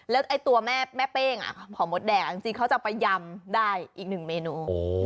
แล้วตัวแม่เป้งหอมดแดงจริงเขาจะไปยำได้อีกหนึ่งเมนู